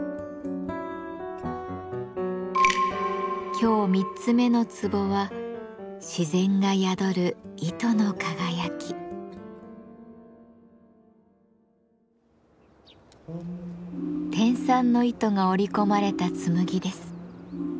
今日三つ目のツボは天蚕の糸が織り込まれた紬です。